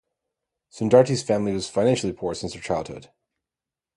Sundarti’s family was financially poor since her childhood.